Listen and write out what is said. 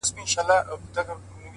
• سم ليونى سوم.